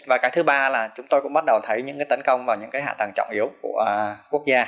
và cái thứ ba là chúng tôi cũng bắt đầu thấy những tấn công vào những cái hạ tầng trọng yếu của quốc gia